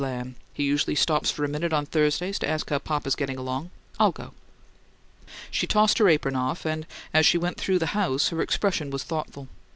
Lamb: he usually stops for a minute on Thursdays to ask how papa's getting along. I'll go." She tossed her apron off, and as she went through the house her expression was thoughtful.